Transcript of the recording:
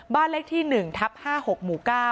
บ้านเลขที่๑ทับ๕๖หมู่๙